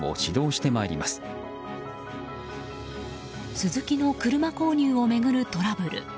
スズキの車購入を巡るトラブル。